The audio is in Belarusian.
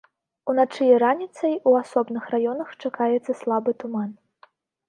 Уначы і раніцай у асобных раёнах чакаецца слабы туман.